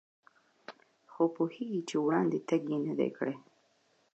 خو پوهېږي چې وړاندې تګ یې نه دی کړی.